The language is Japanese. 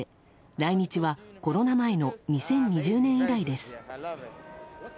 来日はコロナ前の２０２０年以来です。